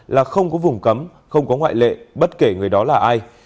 là không có vùng cấm không có ngoại lệ bất kể người đó là ai